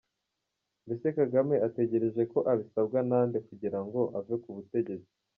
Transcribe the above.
Mbese Kagame ategereje ko abisabwa na nde kugirango ave ku butegetsi?